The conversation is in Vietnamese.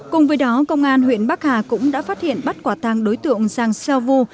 cùng với đó công an huyện bắc hà cũng đã phát hiện bắt quả tàng đối tượng sang xeo vu